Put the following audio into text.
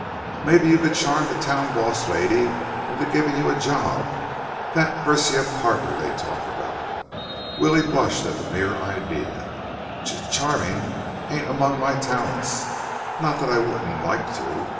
"Maybe you could charm that town boss lady into giving you a job. That Persia Parker they talk about." Willie blushed at the mere idea. "Ch charming ain't among my talents. Not that I wouldn't l like to.